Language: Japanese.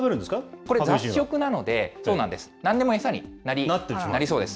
これ、雑食なので、そうなんです、なんでも餌になりそうです。